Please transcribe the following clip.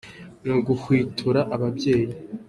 ni uguhwitura ababyeyi